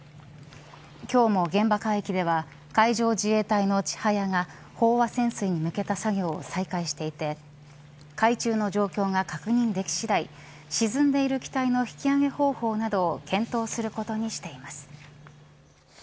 今日も現場海域では海上自衛隊のちはやが飽和潜水に向けた作業を再開していて海中の状況が確認でき次第沈んでいる機体の引き揚げ方法などを検討することにしています。